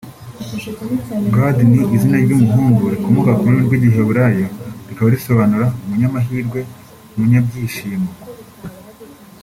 Gad ni izina ry’abahungu rikomoka ku rurimi rw’Igiheburayi rikaba risobanura “umunyamahirwe/Umunyabyishimo”